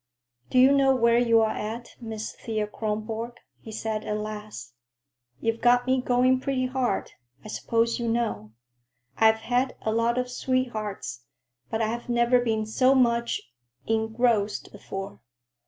"Do you know where you're at, Miss Thea Kronborg?" he said at last. "You've got me going pretty hard, I suppose you know. I've had a lot of sweethearts, but I've never been so much—engrossed before.